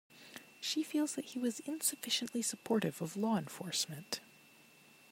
She feels that he was insufficiently supportive of law enforcement.